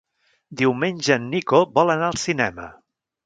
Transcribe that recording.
Diumenge en Nico vol anar al cinema.